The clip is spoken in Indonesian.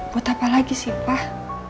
buat apa lagi sih pak